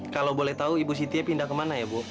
kalau boleh tahu ibu sitia pindah kemana ya bu